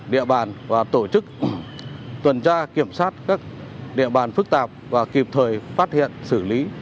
địa bàn và tổ chức tuần tra kiểm soát các địa bàn phức tạp và kịp thời phát hiện xử lý